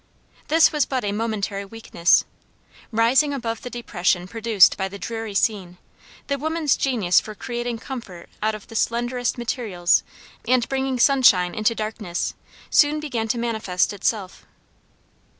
This was but a momentary weakness. Rising above the depression produced by the dreary scene, the woman's genius for creating comfort out of the slenderest materials and bringing sunshine into darkness, soon began to manifest itself.